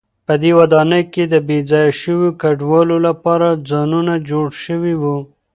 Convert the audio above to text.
په دې ودانۍ کې د بې ځایه شویو کډوالو لپاره ځایونه جوړ شوي و.